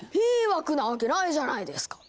迷惑なわけないじゃないですか！